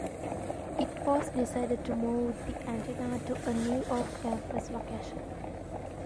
It was decided to move the antenna to a new off campus location.